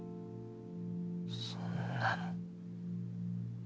そんなの。